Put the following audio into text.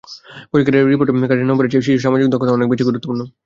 পরীক্ষার রিপোর্ট কার্ডের নম্বরের চেয়ে শিশুর সামাজিক দক্ষতা অনেক বেশি গুরুত্বপূর্ণ।